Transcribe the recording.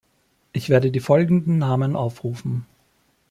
Ich werde die folgenden Namen aufrufen.